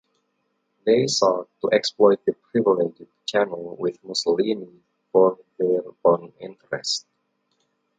They sought to exploit the privileged channel with Mussolini for their own interests.